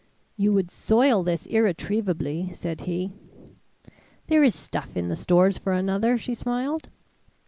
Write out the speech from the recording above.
"You would soil this irretrievably," said he. "There is stuff in the stores for another," she smiled.